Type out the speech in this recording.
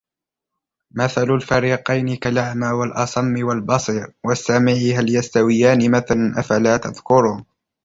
مثل الفريقين كالأعمى والأصم والبصير والسميع هل يستويان مثلا أفلا تذكرون